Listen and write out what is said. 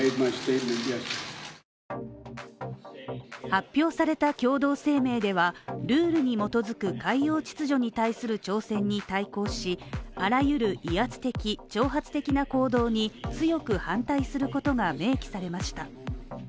発表された共同声明では、ルールに基づく海洋秩序に対する挑戦に対抗し、あらゆる威圧的挑発的な行動に強く反対することが明記されました。